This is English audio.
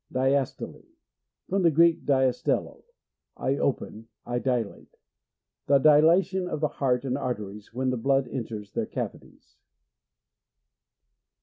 Diastole. — From the Greek, dias tello, I open, I dilate. The dilatation of the heart and arteries when the blood enters their cavities.